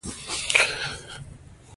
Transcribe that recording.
له تشدد پرته څنګه برلاسي کېدای شو؟